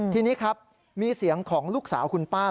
ทีนี้ครับมีเสียงของลูกสาวคุณป้า